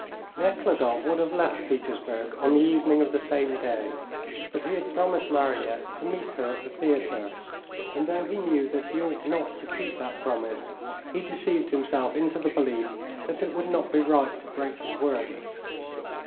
Nekhludoff would have left Petersburg on the evening of the same day, but he had promised Mariette to meet her at the theatre, and though he knew that he ought not to keep that promise, he deceived himself into the belief that it would not be right to break his word.